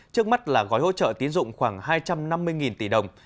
trước mắt là gói hỗ trợ tiến dụng khoảng hai trăm năm mươi tỷ đồng